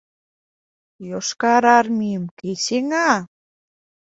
Йошкар Армийым кӧ сеҥа?